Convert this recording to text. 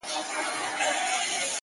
را روان په شپه كــــي ســـېــــــل دى ـ